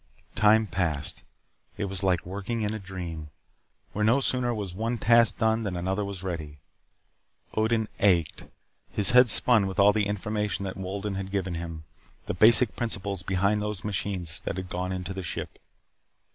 Time passed. It was like working in a dream, where no sooner was one task done than another was ready. Odin ached. His head spun with all the information that Wolden had given him the basic principles behind those machines that had gone into the ship.